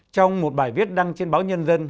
trong một bài viết đăng trên báo nhân dân